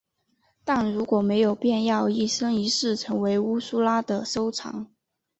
但如果没有便要一生一世成为乌苏拉的收藏。